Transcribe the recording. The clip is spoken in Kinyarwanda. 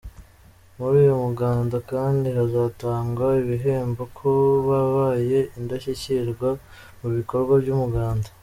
Muri uyu muganda kandi, hazatangwa ibihembo ku babaye indashyikirwa mu bikorwa by’umuganda.